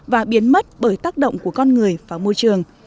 và biến mất bởi tác động của con người vào môi trường